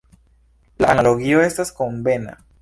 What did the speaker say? La analogio estas konvena.